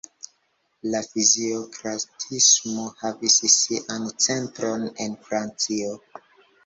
La fiziokratismo havis sian centron en Francio.